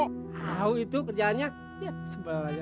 kau itu kerjaannya ya sebelah aja